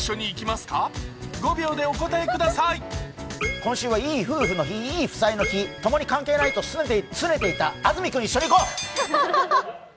今週はいい夫婦の日、いい夫妻の日、ともに関係ないとすねていた安住君、一緒に行こう！